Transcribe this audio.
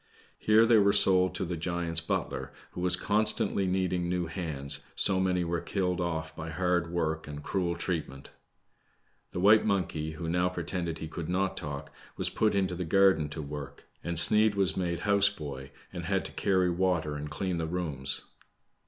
Here they were sold to, the giant's butler, who was constantly needij^g new hands, so many were killed off by hard work and cruel treatmfet. The white monkey, who now pretended he could * not talk, was put into the garden to work, and Sneid 8 114 BLACK SKEW. was made house boy, and had to carry water and clean the rooms.